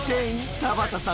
田畑さん